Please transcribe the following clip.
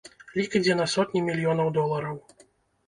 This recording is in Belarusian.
Лік ідзе на сотні мільёнаў долараў.